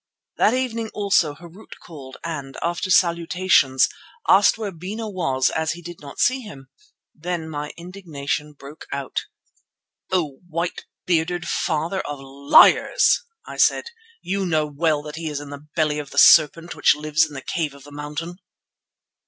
That evening also Harût called and, after salutations, asked where Bena was as he did not see him. Then my indignation broke out: "Oh! white bearded father of liars," I said, "you know well that he is in the belly of the serpent which lives in the cave of the mountain."